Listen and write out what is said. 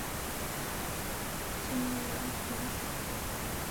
迁居蕲水。